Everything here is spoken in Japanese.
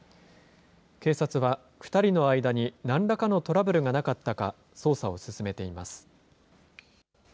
警察は２人の間になんらかのトラブルがなかったか、捜査を進めています。